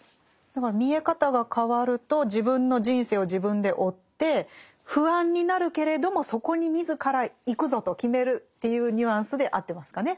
だから見え方が変わると自分の人生を自分で負って不安になるけれどもそこに自ら行くぞと決めるっていうニュアンスで合ってますかね。